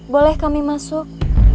boleh kami masuk